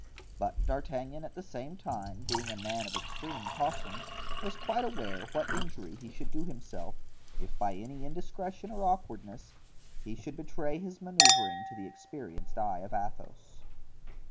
But D'Artagnan at the same time, being a man of extreme caution, was quite aware what injury he should do himself, if by any indiscretion or awkwardness he should betray has manoeuvering to the experienced eye of Athos.